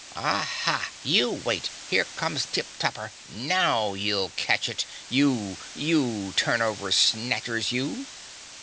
"Aha, you wait, here comes Tip Topper. Now you'll catch it you, you Turnover snatchers, you!"